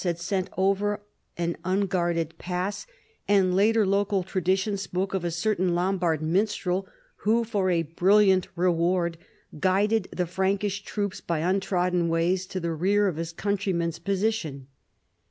had sent over an unguarded pass, and later local tradition spoke of a certain Lombard minstrel who for a brilliant reward guided the Frankish troops b^' untrodden ways to the rear of his countrymen's posi tion.